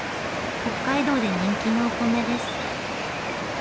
北海道で人気のお米です。